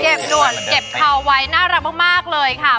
หนวดเก็บเขาไว้น่ารักมากเลยค่ะ